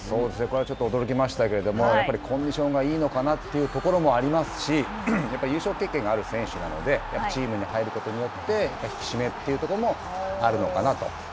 これはちょっと驚きましたけれども、やっぱりコンディションがいいのかなというところもありますし、やっぱり優勝経験がある選手なので、チームに入ることによって、引き締めというところもあるのかなと。